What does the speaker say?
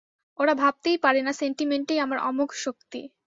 ওরা ভাবতেই পারে না সেন্টিমেন্টেই আমার আমোঘশক্তি।